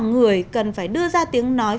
người cần phải đưa ra tiếng nói